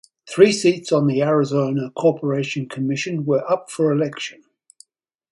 Three seats on the Arizona Corporation Commission were up for election.